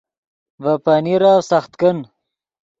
ڤے پنیرف سخت کن